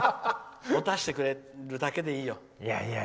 持たせてくれるだけでいいよ。